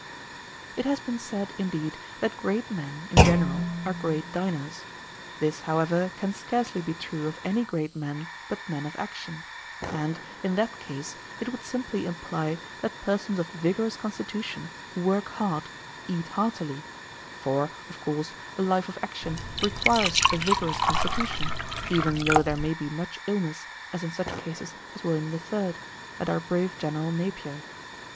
1882. It has been said, indeed, that great men, in general, are great diners. This, however, can scarcely be true of any great men but men of action; and, in that case, it would simply imply that persons of vigorous constitution, who work hard, eat heartily; for, of course, a life of action requires a vigorous constitution, even though there may be much illness, as in such cases as William III. and our brave General Napier.